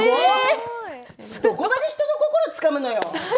どこまで人の心をつかむのよ。